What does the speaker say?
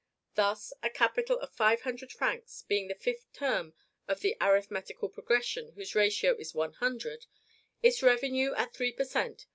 Thus, a capital of five hundred francs being the fifth term of the arithmetical progression whose ratio is one hundred, its revenue at three per cent.